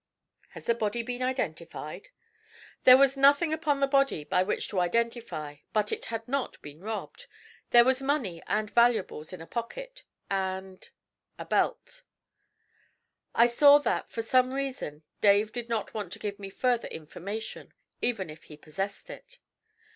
'Has the body been identified?' 'There was nothing upon the body by which to identify, but it had not been robbed. There was money and valuables in a pocket, and a belt.' I saw that, for some reason, Dave did not want to give me further information, even if he possessed it.